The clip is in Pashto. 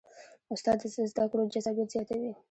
استاد د زده کړو جذابیت زیاتوي.